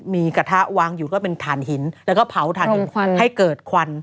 มีกระทะวางอยู่ก็เป็นฐานหินแล้วก็เผาถ่านหินควันให้เกิดควัน